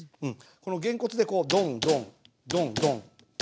このげんこつでこうドンドンドンドンドン。